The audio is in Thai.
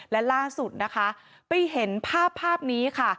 และล่าสุดนะคะไปเห็นภาพภาพนี้ค่ะ